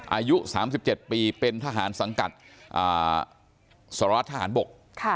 อายุ๓๗ปีเป็นทหารสังกัดสรวจทหารบก